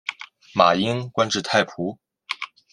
马英官至太仆。